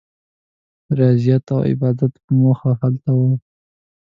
د ریاضت او عبادت په موخه هلته ورته.